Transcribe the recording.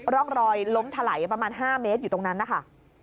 ร่องรอยล้มถลายประมาณ๕เมตรอยู่ตรงนั้นนะคะ